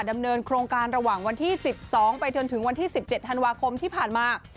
ดำเนินโครงการระหว่างวันที่๑๒ไปจนถึงวันที่๑๗ธันวาคมที่ผ่านมา